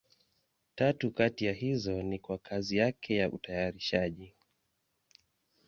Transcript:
Tatu kati ya hizo ni kwa kazi yake ya utayarishaji.